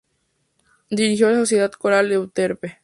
Dirigió la Sociedad Coral Euterpe.